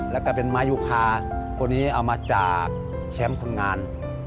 แล้วก็เป็นไม้ยูคาคนนี้เอามาจากแชมป์คนงาน